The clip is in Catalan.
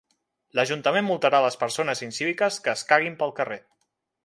L'ajuntament multarà les persones incíviques que es caguin pel carrer.